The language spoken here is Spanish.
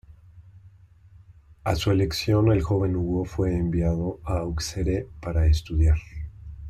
A su elección el joven Hugo fue enviado a Auxerre para estudiar.